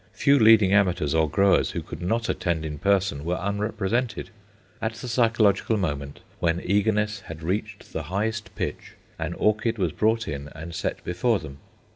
Few leading amateurs or growers who could not attend in person were unrepresented. At the psychological moment, when eagerness had reached the highest pitch, an orchid was brought in and set before them.